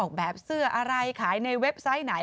แบบเสื้ออะไรขายในเว็บไซต์ไหน